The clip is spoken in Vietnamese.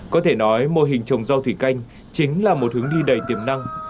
có thể nói mô hình trồng rau thủy canh chính là một hướng đi đầy tiềm năng